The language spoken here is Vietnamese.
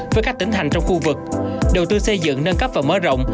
với các tỉnh thành trong khu vực đầu tư xây dựng nâng cấp và mở rộng